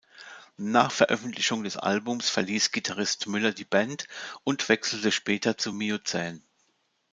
Nach Veröffentlichung des Albums verließ Gitarrist Müller die Band und wechselte später zu Miozän.